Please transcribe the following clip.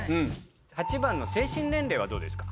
８番の精神年齢はどうですか？